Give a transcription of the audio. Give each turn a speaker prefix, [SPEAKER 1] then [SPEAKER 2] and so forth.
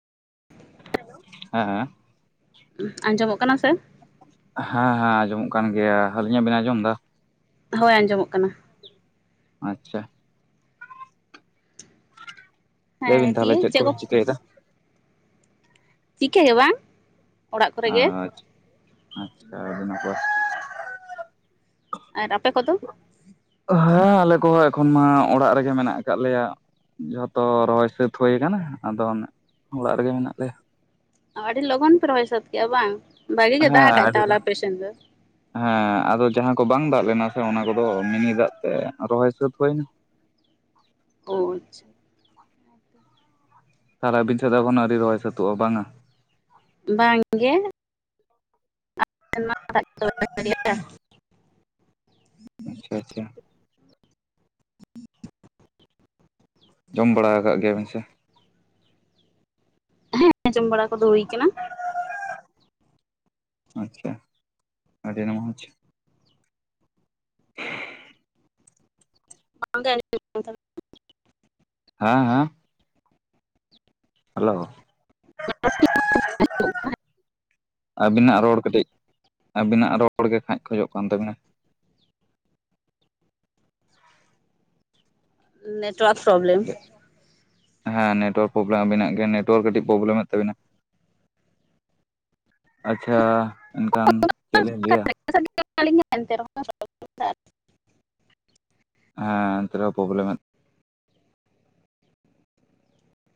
[SPEAKER 1] ᱦᱮᱸᱦᱮᱸ
[SPEAKER 2] ᱟᱸᱡᱚᱢᱚᱜ ᱠᱟᱱᱟ ᱥᱮ?
[SPEAKER 1] ᱦᱮᱸ ᱦᱮᱸ, ᱟᱸᱡᱚᱢᱚᱜ ᱠᱟᱱ ᱜᱮᱭᱟ᱾ ᱟᱹᱞᱤᱧᱟᱜ ᱵᱤᱱ ᱟᱸᱡᱚᱢ ᱫᱟ?
[SPEAKER 2] ᱦᱳᱭ, ᱟᱸᱡᱚᱢᱚᱜ ᱠᱟᱱᱟ᱾
[SPEAKER 1] ᱟᱪᱪᱷᱟ ᱾ ᱞᱟᱹᱭ ᱵᱤᱱ
[SPEAKER 2] ᱦᱮᱸ
[SPEAKER 1] ᱛᱟᱦᱚᱞᱮ
[SPEAKER 2] ᱫᱤᱭᱮ
[SPEAKER 1] ᱪᱮᱫ
[SPEAKER 2] ᱠᱚ
[SPEAKER 1] ᱠᱚᱵᱤᱱ ᱪᱤᱠᱟᱹᱭᱮᱫᱟ?
[SPEAKER 2] ᱪᱤᱠᱟ ᱜᱮ ᱵᱟᱝ᱾ ᱚᱲᱟᱜ ᱠᱚᱨᱮ ᱜᱮ
[SPEAKER 1] ᱟᱪᱪᱷᱟ ᱾ ᱟᱪᱪᱷᱟ, ᱟᱹᱰᱤ ᱱᱟᱯᱟᱭ ᱾
[SPEAKER 2] ᱟᱨ ᱟᱯᱮ ᱠᱚᱫᱚ?
[SPEAKER 1] ᱦᱮᱸ, ᱟᱞᱮ ᱠᱚᱦᱚᱸ ᱮᱠᱷᱚᱱ ᱢᱟ ᱚᱲᱟᱜ ᱨᱮᱜᱮ ᱢᱮᱱᱟᱜ ᱟᱠᱟᱫ ᱞᱮᱭᱟ᱾ ᱡᱷᱚᱛᱚ ᱨᱚᱦᱚᱭ ᱥᱟᱹᱛ ᱦᱩᱭ ᱟᱠᱟᱱᱟ, ᱟᱫᱚ ᱚᱱᱮ ᱚᱲᱟᱜ ᱨᱮᱜᱮ ᱦᱮᱱᱟᱜ ᱞᱮᱭᱟ᱾
[SPEAKER 2] ᱟᱹᱰᱤ ᱞᱚᱜᱚᱱ ᱯᱮ ᱨᱚᱦᱚᱭ ᱥᱟᱹᱛ ᱠᱮᱜᱼᱟ ᱵᱟᱝ? ᱵᱷᱟᱜᱤ ᱜᱮ
[SPEAKER 1] ᱦᱮᱸ,
[SPEAKER 2] ᱫᱟᱜ ᱟᱠᱟᱫ
[SPEAKER 1] ᱟᱹᱰᱤ
[SPEAKER 2] ᱛᱟᱦᱚᱞᱮ ᱟᱯᱮ ᱥᱮᱱ ᱫᱚ
[SPEAKER 1] ᱦᱮᱸ, ᱟᱫᱚ ᱡᱟᱦᱟᱸ ᱠᱚ ᱵᱟᱝ ᱫᱟᱜ ᱞᱮᱱᱟ ᱥᱮ, ᱚᱱᱟ ᱠᱚᱫᱚ ᱢᱤᱱᱤ ᱫᱟᱜ ᱛᱮ ᱨᱚᱦᱚᱭ ᱥᱟᱹᱛ ᱦᱩᱭ ᱮᱱᱟ᱾
[SPEAKER 2] ᱳ ᱟᱪᱪᱷᱟ ᱾
[SPEAKER 1] ᱥᱟᱨᱟ ᱟᱵᱤᱱ ᱥᱮᱜ ᱫᱚ ᱮᱠᱷᱚᱱᱚ ᱟᱹᱣᱨᱤ ᱨᱚᱦᱚᱭ ᱥᱟᱹᱛᱜᱼᱟ ᱵᱟᱝᱟ?
[SPEAKER 2] ᱵᱟᱝ ᱜᱮ ᱾ [unintelligible] [unintelligible] [unintelligible]
[SPEAKER 1] ᱟᱪᱪᱷᱟ ᱟᱪᱪᱷᱟ᱾ ᱡᱚᱢ ᱵᱟᱲᱟ ᱟᱠᱟᱜ ᱜᱮᱭᱟᱵᱮᱱ ᱥᱮ?
[SPEAKER 2] ᱦᱮᱸ, ᱡᱚᱢ ᱵᱟᱲᱟ ᱠᱚᱫᱚ ᱦᱩᱭ ᱟᱠᱟᱱᱟ᱾
[SPEAKER 1] ᱟᱪᱪᱷᱟ, ᱟᱹᱰᱤᱱᱟ ᱢᱚᱸᱡᱽ
[SPEAKER 2] [unintelligible]
[SPEAKER 1] ᱦᱮᱸ ᱦᱮᱸ? ᱦᱮᱞᱳ? ᱟᱹᱵᱤᱱᱟᱜ ᱨᱚᱲ ᱠᱟᱹᱴᱤᱡ ᱟᱹᱵᱤᱱᱟᱜ ᱨᱚᱲ ᱜᱮ ᱠᱷᱟᱸᱭ ᱠᱚᱡᱚᱜ ᱠᱟᱱ ᱛᱟᱹᱵᱤᱱᱟ᱾
[SPEAKER 2] Network problem.
[SPEAKER 1] ᱦᱮᱸ, ᱱᱮᱴᱚᱣᱟᱨᱠ ᱯᱚᱨᱚᱵᱮᱞᱮᱢ ᱟᱹᱵᱤᱱᱟᱜ ᱜᱮ ᱱᱮᱴᱚᱣᱟᱨ ᱠᱟᱹᱴᱤᱡ ᱯᱨᱚᱵᱮᱞᱮᱢᱮᱫ ᱛᱟᱵᱤᱱᱟ ᱾ ᱟᱪᱪᱷᱟ, ᱮᱱᱠᱷᱟᱱ ᱪᱮᱫ ᱞᱤᱧ ᱞᱟᱹᱭᱟ
[SPEAKER 2] [unintelligible] [unintelligible]
[SPEAKER 1] ᱦᱮᱸ, ᱮᱚᱱᱛᱮ ᱨᱮᱦᱚᱸ ᱯᱨᱚᱵᱮᱞᱮᱢᱮᱫ